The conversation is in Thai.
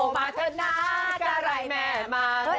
ม่าถือนะกะลายแหมมา